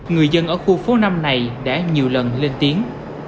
người dân ở khu phố năm này đã nhiều lần lên tiếng